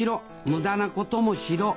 無駄なこともしろ」。